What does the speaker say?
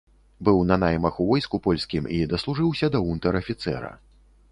Быў на наймах у войску польскім і даслужыўся да унтэр-афіцэра.